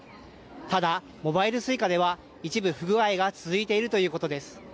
ただ、モバイルＳｕｉｃａでは一部、不具合が続いているということです。